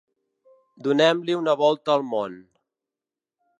Donem-li una volta al món.